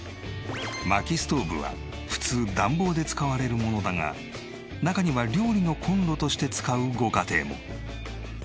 薪ストーブは普通暖房で使われるものだが中には料理のコンロとして使うご家庭も。